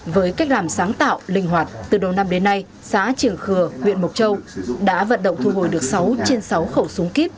với cách làm sáng tạo linh hoạt từ đầu năm đến nay xã triềng khừa huyện mộc châu đã vận động thu hồi được sáu trên sáu khẩu súng kíp